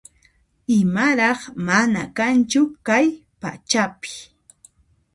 Imaraq mana kanchu kay pachapi